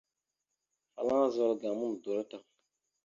Afalaŋa azza wal gaŋa ma nodoró tam.